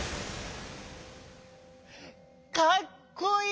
かっこいい！